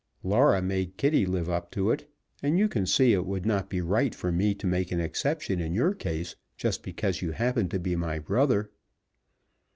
Laura made Kitty live up to it and you can see it would not be right for me to make an exception in your case just because you happen to be my brother."